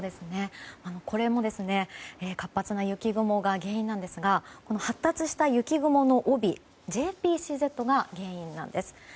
これも活発な雪雲が原因なんですが発達した雪雲の帯ＪＰＣＺが原因なんです。